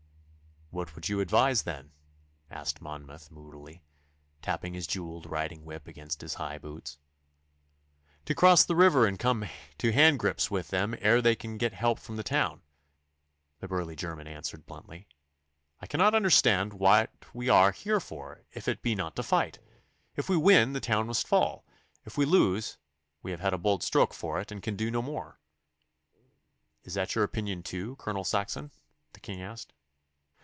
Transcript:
'What would you advise, then?' asked Monmouth moodily, tapping his jewelled riding whip against his high boots. 'To cross the river and come to hand grips with them ere they can get help from the town,' the burly German answered bluntly. 'I cannot understand what we are here for if it be not to fight. If we win, the town must fall. If we lose, We have had a bold stroke for it, and can do no more.' 'Is that your opinion, too, Colonel Saxon?' the King asked.